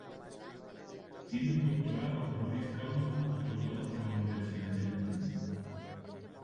Tiene un Doctorado "Honoris Causa" otorgado por la Universidad del Mundo.